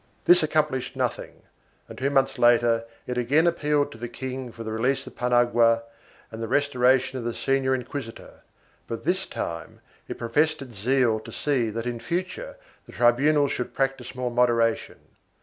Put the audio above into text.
This accomplished nothing and two months later it again appealed to the king for the release of Paniagua and the restoration of the senior inquisitor, but this time it professed its zeal to see that in future the tribunals should practise more moderation.